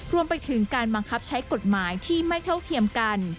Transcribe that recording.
รวมไปถึงการบังคับใช้กฎหมายที่ไม่เท่าเทียมกัน